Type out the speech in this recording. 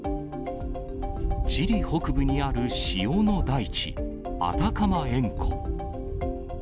チリ北部にある塩の大地、アタカマ塩湖。